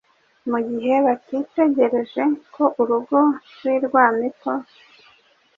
mu gihe bagitegereje ko urugo rw’i Rwamiko,